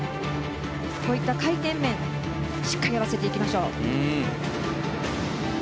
こういった回転面しっかり合わせていきましょう。